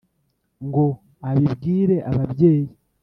ngo abibwire ababyeyi